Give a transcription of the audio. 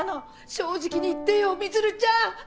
正直に言ってよ充ちゃん！